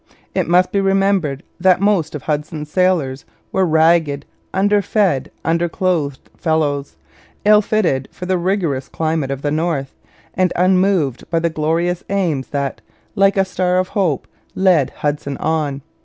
It must be remembered that most of Hudson's sailors were ragged, under fed, under clothed fellows, ill fitted for the rigorous climate of the north and unmoved by the glorious aims that, like a star of hope, led Hudson on.